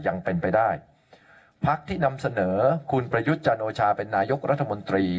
ยังเป็นไปได้พักที่นำเสนอคุณประยุทธ์จันโอชาเป็นนายกรัฐมนตรี